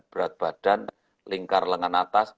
berat badan lingkar lengan atas